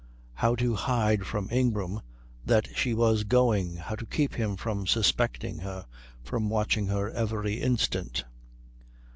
how to hide from Ingram that she was going, how to keep him from suspecting her, from watching her every instant....